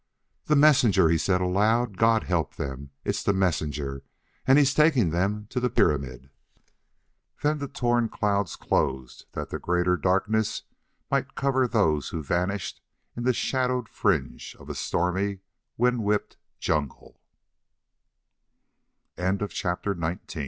"The messenger!" he said aloud. "God help them; it's the messenger and he's taking them to the pyramid!" Then the torn clouds closed that the greater darkness might cover those who vanished in the shadowed fringe of a st